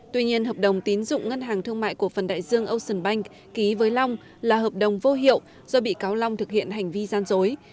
tuy nhiên hợp đồng tín dụng ngân hàng thương mại cổ phần đại dương ocean bank ký với long là hợp đồng vô hiệu do bị cáo long thực hiện hành vi gian dối